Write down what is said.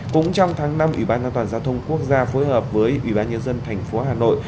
cũng trong tháng năm ủy ban an toàn giao thông quốc gia phối hợp với ủy ban nhân dân thành phố hà nội